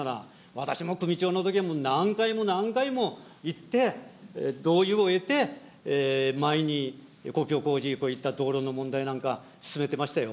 私も首長のとき、何回も何回もいって、同意を得て、前に、公共工事、こういった道路の問題なんか進めてましたよ。